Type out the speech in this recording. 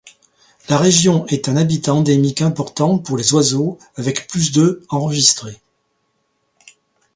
La région est un habitat endémique important pour les oiseaux, avec plus de enregistrées.